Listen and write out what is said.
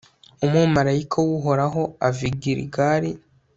umumalayika w'uhoraho ava i giligali